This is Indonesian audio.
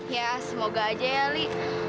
ya semoga aja ya li